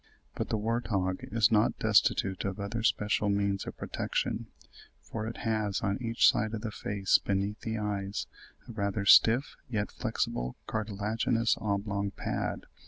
But the wart hog is not destitute of other special means of protection, for it has, on each side of the face, beneath the eyes, a rather stiff, yet flexible, cartilaginous, oblong pad (Fig.